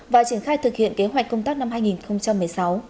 và triển khai thực hiện kế hoạch công tác năm hai nghìn một mươi sáu